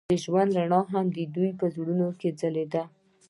د ژوند رڼا هم د دوی په زړونو کې ځلېده.